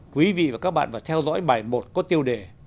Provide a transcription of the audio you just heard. quý vị và các bạn phải theo dõi bài một có tiêu đề